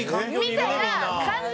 みたいな感じで。